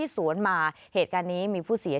สุกเข้าไปแล้วอ่ะเห็นมั้ย